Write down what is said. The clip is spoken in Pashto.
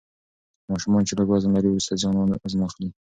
ماشومان چې لږ وزن لري وروسته زیات وزن اخلي.